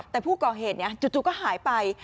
แต่ผู้ก่อเหตุเนี่ยจุดก็หายไป